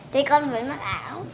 thế con vẫn mặc áo